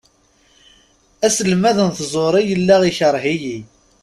Aselmad n tẓuri yella ikreh-iyi.